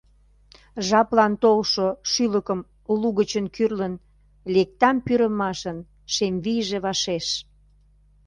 Жаплан толшо шӱлыкым лугычын кӱрлын, Лектам пӱрымашын шем вийже вашеш.